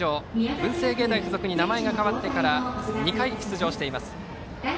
文星芸大付属に名前が変わってから２回出場しています。